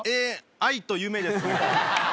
愛と夢ですね